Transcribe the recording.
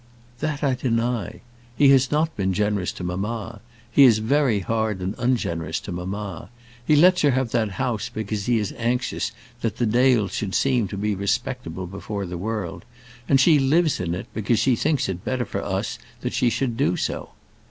"That I deny. He has not been generous to mamma. He is very hard and ungenerous to mamma. He lets her have that house because he is anxious that the Dales should seem to be respectable before the world; and she lives in it, because she thinks it better for us that she should do so.